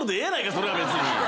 それは別に。